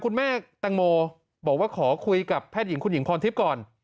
คุณแม่แตงโมบอกว่าขอคุยกับแพทย์หญิงคุณหญิงพรทิพย์ก่อน